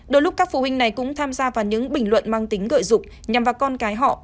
đôi lúc các phụ huynh này cũng tham gia vào những bình luận mang tính gợi rục nhằm vào con cái họ